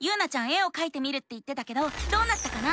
絵をかいてみるって言ってたけどどうなったかな？